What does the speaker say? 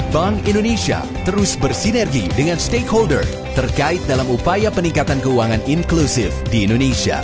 bank indonesia terus bersinergi dengan stakeholder terkait dalam upaya peningkatan keuangan inklusif di indonesia